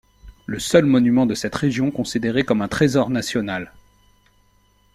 Le seul monument de cette région considéré comme un trésor national.